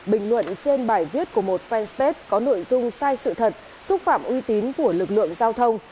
bình luận trên bài viết của một fanpage có nội dung sai sự thật xúc phạm uy tín của lực lượng giao thông